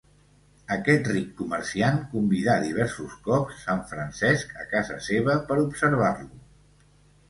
Aquest ric comerciant convidà diversos cops Sant Francesc a casa seva per observar-lo.